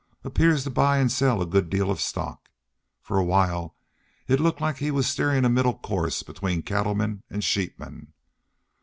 Appears to buy an' sell a good deal of stock. For a while it looked like he was steerin' a middle course between cattlemen an' sheepmen.